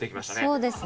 そうですね。